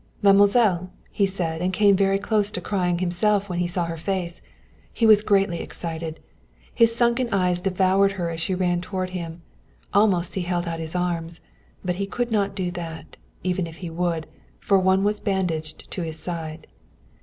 "Mademoiselle!" he said, and came very close to crying himself when he saw her face. He was greatly excited. His sunken eyes devoured her as she ran toward him. Almost he held out his arms. But he could not do that, even if he would, for one was bandaged to his side.